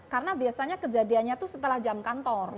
karena biasanya kejadiannya itu setelah jam kantor